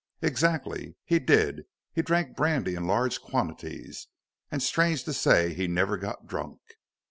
"Exactly. He did. He drank brandy in large quantities, and, strange to say, he never got drunk."